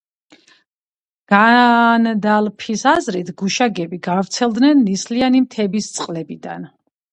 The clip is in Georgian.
განდალფის აზრით, გუშაგები გავრცელდნენ ნისლიანი მთების წყლებიდან.